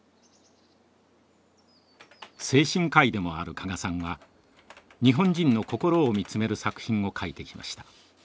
精神科医でもある加賀さんは日本人のこころを見つめる作品を書いてきました。